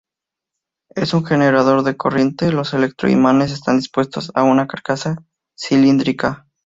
En un generador de corriente, los electroimanes están dispuestos en una carcasa cilíndrica.